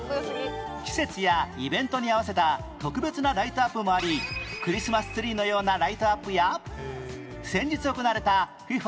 季節やイベントに合わせた特別なライトアップもありクリスマスツリーのようなライトアップや先日行われた ＦＩＦＡ